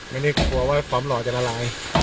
ไม่ได้กลัวว่าความหล่อจะละลาย